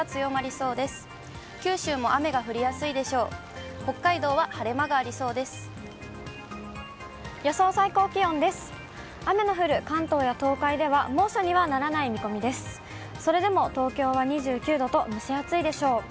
それでも東京は２９度と蒸し暑いでしょう。